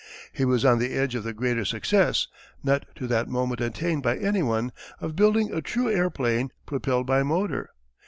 He was on the edge of the greater success, not to that moment attained by anyone, of building a true airplane propelled by motor.